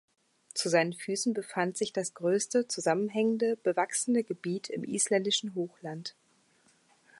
Zu seinen Füßen befand sich das größte zusammenhängende bewachsene Gebiet im isländischen Hochland.